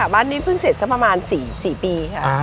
บ้านนี้ฟึ่งเสร็จซะประมาณ๔ปี